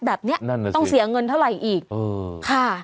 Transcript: แบบนี้ต้องเสียเงินเท่าไหร่อีกค่ะ